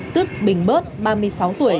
tức bình bớt ba mươi sáu tuổi